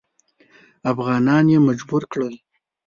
افغانان یې مجبور کړل.